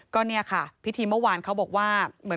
ก็เนี่ยค่ะพิธีเมื่อวานเขาบอกว่าเหมือน